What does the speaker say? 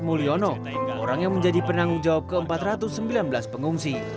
mulyono orang yang menjadi penanggung jawab ke empat ratus sembilan belas pengungsi